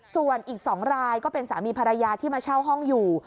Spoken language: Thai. ส่วนอีก๒รายก็เป็นสามีภรรยาที่มาเช่าห้องอยู่